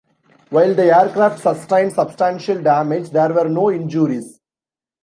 While the aircraft sustained substantial damage, there were no injuries.